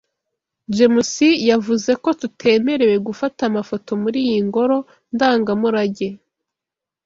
James yavuze ko tutemerewe gufata amafoto muri iyi ngoro ndangamurage.